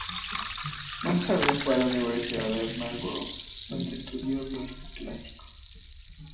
Más tarde fue a la universidad en Melbourne, donde estudió violín clásico.